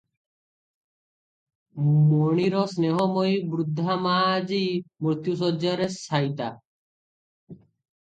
ମଣିର ସ୍ନେହମୟୀ ବୃଦ୍ଧା ମାଆ ଆଜି ମୃତ୍ୟୁଶଯ୍ୟାରେ ଶାୟିତା ।